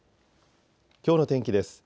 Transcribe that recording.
きょうの天気です。